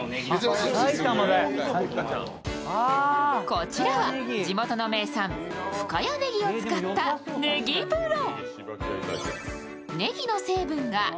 こちらは地元の名産、深谷ねぎを使ったねぎ風呂。